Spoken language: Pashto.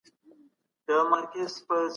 ښوونکی هڅه کوي زدهکوونکي خپل هدفونه وپېژني.